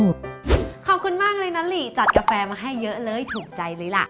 ขอบคุณมากเลยนะลิจัดกาแฟมาให้เยอะเลยถูกใจเลยล่ะ